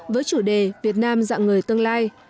với chủ đề việt nam dạng người tương lai